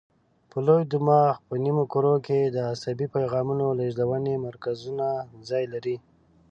په لوی دماغ په نیمو کرو کې د عصبي پیغامونو لېږدونې مرکزونه ځای لري.